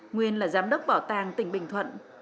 nguyên là giám đốc bảo tàng tỉnh bình thuận